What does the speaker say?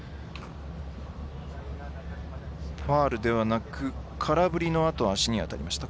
ファウルではなく空振りのあと足に当たりました。